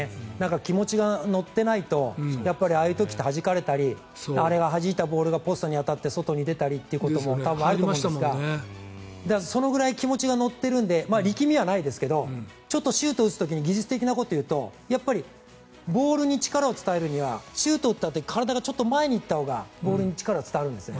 気持ちが乗っていないとああいう時ってはじかれたりあれが、はじいたボールが外に出たりということも多分あると思うんですがそのぐらい気持ちが乗っているので力みはないですがちょっとシュートを打つ時に技術的なことを言うとボールに力を伝えるにはシュートを打った時体がちょっと前に行ったほうがボールに力が伝わるんですね。